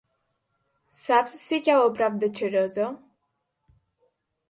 Saps si cau a prop de Xeresa?